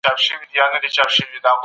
موږ باید د حقایقو پلوي وکړو.